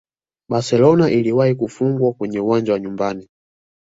barcelona iliwahi kufungwa kwenye uwanja nyumbani